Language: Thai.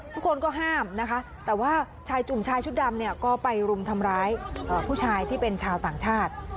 ทุกคนก็ห้ามนะคะแต่ว่าชายจุ่มชายชุดดำเนี่ยก็ไปรุมทำร้ายผู้ชายที่เป็นชาวต่างชาติ